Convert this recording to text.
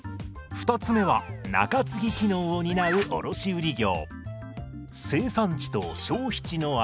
３つ目は分散機能を担う卸売業。